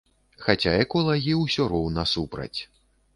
Хаця эколагі ўсё роўна супраць.